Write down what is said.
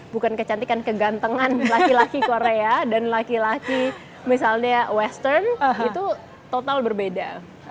bukan kecantikan kegantengan laki laki korea dan laki laki misalnya western itu total berbeda